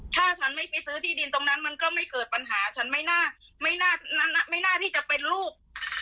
ถ้าฉันไม่ไปซื้อที่ดินตรงนั้นมันก็ไม่เกิดปัญหาฉันไม่น่าไม่น่าที่จะเป็นลูก